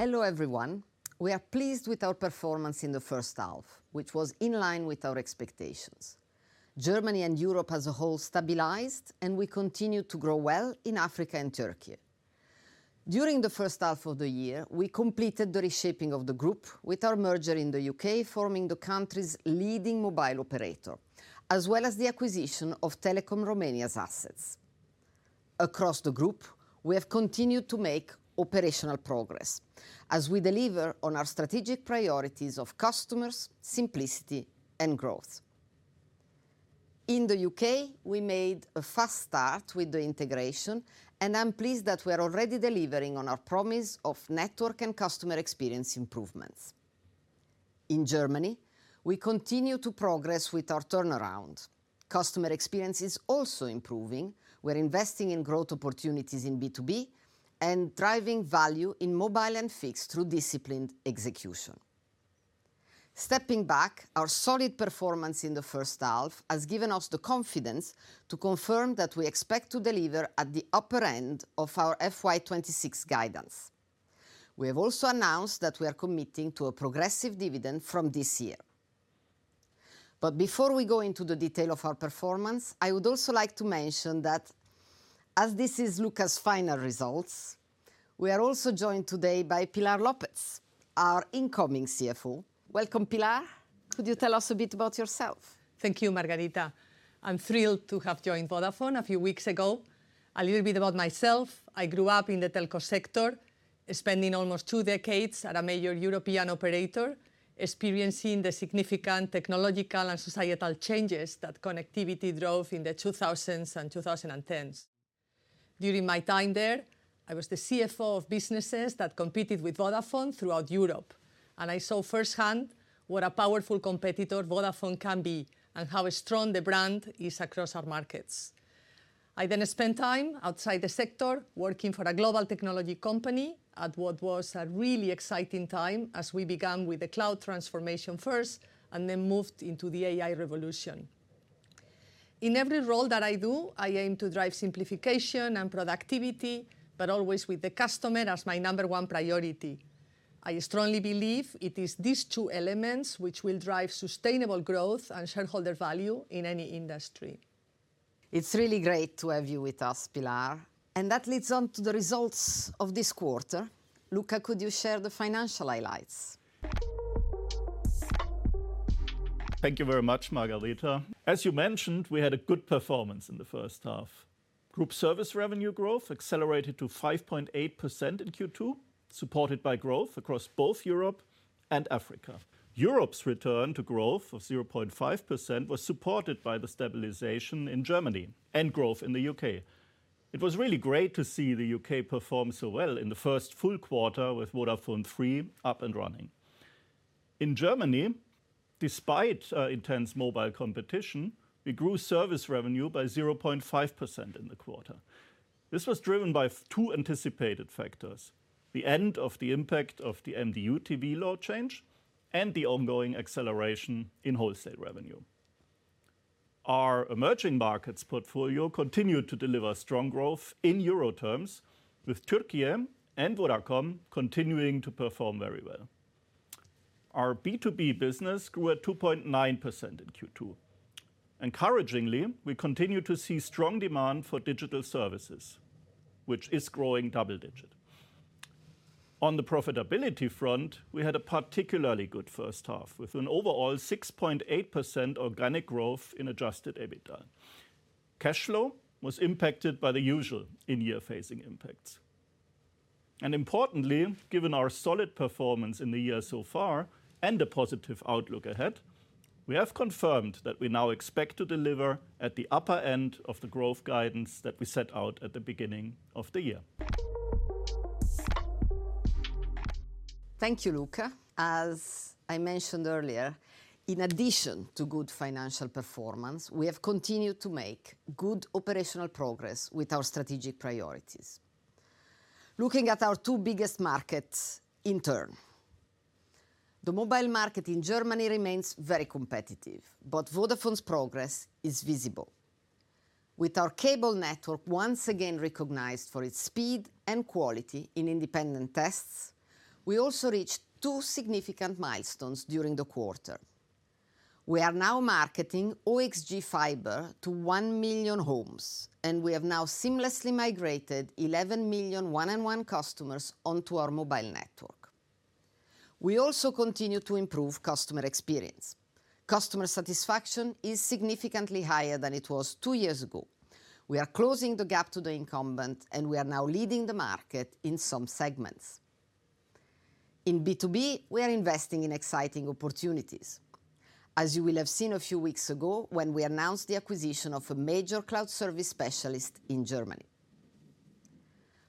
Hello everyone, we are pleased with our performance in the first half, which was in line with our expectations. Germany and Europe as a whole stabilized, and we continued to grow well in Africa and Türkiye. During the first half of the year, we completed the reshaping of the Group, with our merger in the U.K. forming the country's leading mobile operator, as well as the acquisition of Telekom Romania's assets. Across the Group, we have continued to make operational progress, as we deliver on our strategic priorities of customers, simplicity, and growth. In the U.K., we made a fast start with the integration, and I'm pleased that we are already delivering on our promise of network and customer experience improvements. In Germany, we continue to progress with our turnaround. Customer experience is also improving. We're investing in growth opportunities in B2B and driving value in mobile and fixed through disciplined execution. Stepping back, our solid performance in the first half has given us the confidence to confirm that we expect to deliver at the upper end of our FY26 guidance. We have also announced that we are committing to a progressive dividend from this year. But before we go into the detail of our performance, I would also like to mention that, as this is Luka's final results, we are also joined today by Pilar López, our incoming CFO. Welcome, Pilar. Could you tell us a bit about yourself? Thank you, Margherita. I'm thrilled to have joined Vodafone a few weeks ago. A little bit about myself: I grew up in the telco sector, spending almost two decades at a major European operator, experiencing the significant technological and societal changes that connectivity drove in the 2000s and 2010s. During my time there, I was the CFO of businesses that competed with Vodafone throughout Europe, and I saw firsthand what a powerful competitor Vodafone can be and how strong the brand is across our markets. I then spent time outside the sector working for a global technology company at what was a really exciting time as we began with the cloud transformation first and then moved into the AI revolution. In every role that I do, I aim to drive simplification and productivity, but always with the customer as my number one priority. I strongly believe it is these two elements which will drive sustainable growth and shareholder value in any industry. It's really great to have you with us, Pilar, and that leads on to the results of this quarter. Luka, could you share the financial highlights? Thank you very much, Margherita. As you mentioned, we had a good performance in the first half. Group service revenue growth accelerated to 5.8% in Q2, supported by growth across both Europe and Africa. Europe's return to growth of 0.5% was supported by the stabilization in Germany and growth in the U.K. It was really great to see the U.K. perform so well in the first full quarter with VodafoneThree up and running. In Germany, despite intense mobile competition, we grew service revenue by 0.5% in the quarter. This was driven by two anticipated factors: the end of the impact of the MDU TV law change and the ongoing acceleration in wholesale revenue. Our emerging markets portfolio continued to deliver strong growth in Euro terms, with Türkiye and Vodacom continuing to perform very well. Our B2B business grew at 2.9% in Q2. Encouragingly, we continue to see strong demand for digital services, which is growing double-digit. On the profitability front, we had a particularly good first half with an overall 6.8% organic growth in Adjusted EBITDA. Cash flow was impacted by the usual in-year phasing impacts. And importantly, given our solid performance in the year so far and a positive outlook ahead, we have confirmed that we now expect to deliver at the upper end of the growth guidance that we set out at the beginning of the year. Thank you, Luka. As I mentioned earlier, in addition to good financial performance, we have continued to make good operational progress with our strategic priorities. Looking at our two biggest markets in turn, the mobile market in Germany remains very competitive, but Vodafone's progress is visible. With our cable network once again recognized for its speed and quality in independent tests, we also reached two significant milestones during the quarter. We are now marketing OXG Fibre to one million homes, and we have now seamlessly migrated 11 million 1&1 customers onto our mobile network. We also continue to improve customer experience. Customer satisfaction is significantly higher than it was two years ago. We are closing the gap to the incumbent, and we are now leading the market in some segments. In B2B, we are investing in exciting opportunities, as you will have seen a few weeks ago when we announced the acquisition of a major cloud service specialist in Germany.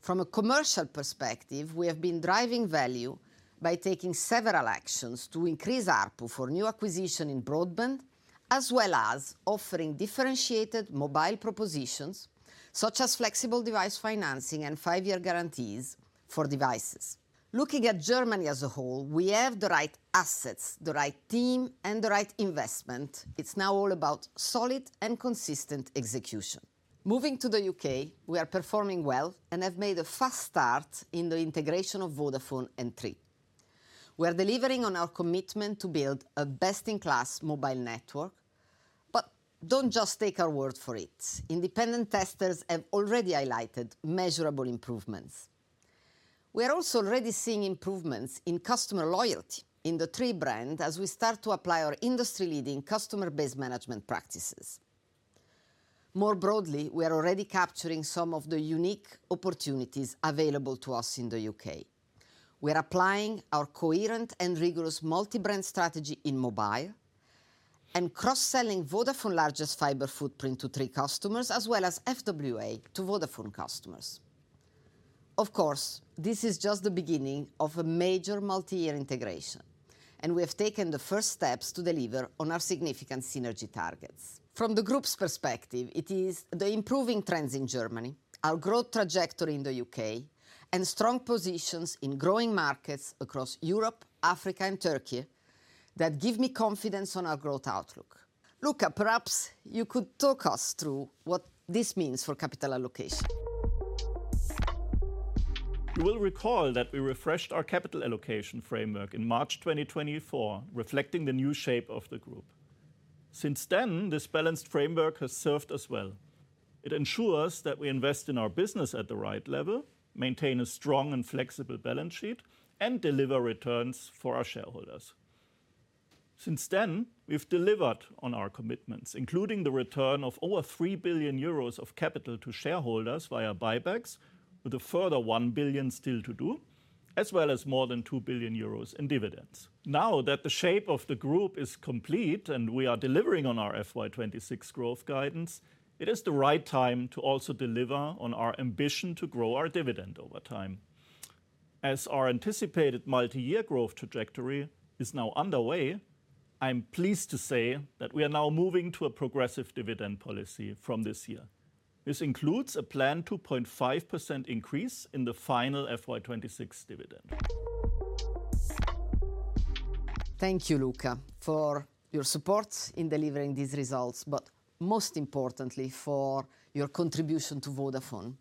From a commercial perspective, we have been driving value by taking several actions to increase ARPU for new acquisition in broadband, as well as offering differentiated mobile propositions such as flexible device financing and five-year guarantees for devices. Looking at Germany as a whole, we have the right assets, the right team, and the right investment. It's now all about solid and consistent execution. Moving to the U.K., we are performing well and have made a fast start in the integration of Vodafone and Three UK. We are delivering on our commitment to build a best-in-class mobile network, but don't just take our word for it. Independent testers have already highlighted measurable improvements. We are also already seeing improvements in customer loyalty in the Three UK brand as we start to apply our industry-leading customer base management practices. More broadly, we are already capturing some of the unique opportunities available to us in the U.K.. We are applying our coherent and rigorous multi-brand strategy in mobile and cross-selling Vodafone's largest fiber footprint to Three UK customers, as well as FWA to Vodafone customers. Of course, this is just the beginning of a major multi-year integration, and we have taken the first steps to deliver on our significant synergy targets. From the Group's perspective, it is the improving trends in Germany, our growth trajectory in the U.K., and strong positions in growing markets across Europe, Africa, and Türkiye that give me confidence on our growth outlook. Luka, perhaps you could talk us through what this means for capital allocation. You will recall that we refreshed our capital allocation framework in March 2024, reflecting the new shape of the Group. Since then, this balanced framework has served us well. It ensures that we invest in our business at the right level, maintain a strong and flexible balance sheet, and deliver returns for our shareholders. Since then, we've delivered on our commitments, including the return of over 3 billion euros of capital to shareholders via buybacks, with a further 1 billion still to do, as well as more than 2 billion euros in dividends. Now that the shape of the Group is complete and we are delivering on our FY26 growth guidance, it is the right time to also deliver on our ambition to grow our dividend over time. As our anticipated multi-year growth trajectory is now underway, I'm pleased to say that we are now moving to a progressive dividend policy from this year. This includes a planned 2.5% increase in the final FY26 dividend. Thank you, Luka, for your support in delivering these results, but most importantly, for your contribution to Vodafone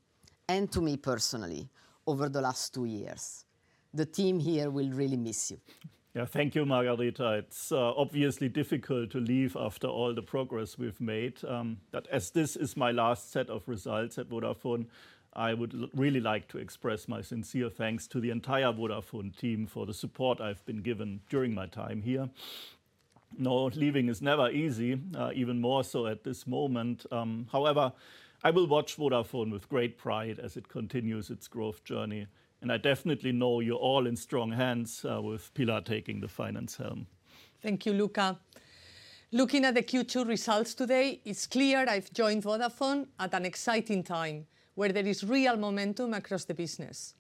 and to me personally over the last two years. The team here will really miss you. Yeah, thank you, Margherita. It's obviously difficult to leave after all the progress we've made. But as this is my last set of results at Vodafone, I would really like to express my sincere thanks to the entire Vodafone team for the support I've been given during my time here. No, leaving is never easy, even more so at this moment. However, I will watch Vodafone with great pride as it continues its growth journey, and I definitely know you're all in strong hands with Pilar taking the finance helm. Thank you, Luka. Looking at the Q2 results today, it's clear I've joined Vodafone at an exciting time where there is real momentum across the business.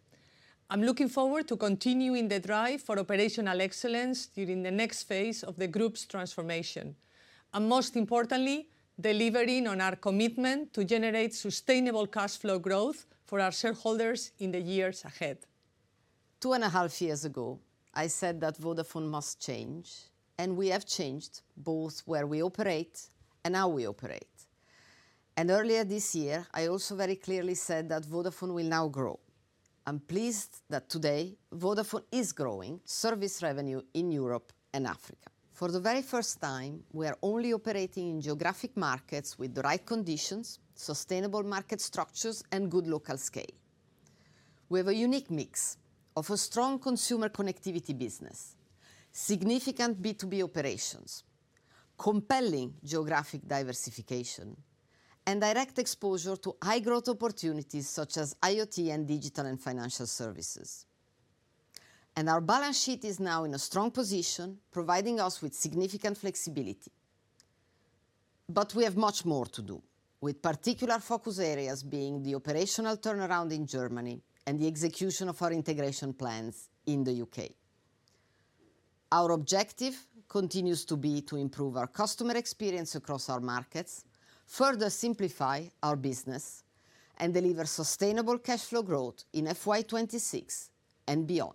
I'm looking forward to continuing the drive for operational excellence during the next phase of the Group's transformation, and most importantly, delivering on our commitment to generate sustainable cash flow growth for our shareholders in the years ahead. Two and a half years ago, I said that Vodafone must change, and we have changed both where we operate and how we operate. And earlier this year, I also very clearly said that Vodafone will now grow. I'm pleased that today Vodafone is growing service revenue in Europe and Africa. For the very first time, we are only operating in geographic markets with the right conditions, sustainable market structures, and good local scale. We have a unique mix of a strong consumer connectivity business, significant B2B operations, compelling geographic diversification, and direct exposure to high-growth opportunities such as IoT and digital and financial services. And our balance sheet is now in a strong position, providing us with significant flexibility. But we have much more to do, with particular focus areas being the operational turnaround in Germany and the execution of our integration plans in the U.K. Our objective continues to be to improve our customer experience across our markets, further simplify our business, and deliver sustainable cash flow growth in FY26 and beyond.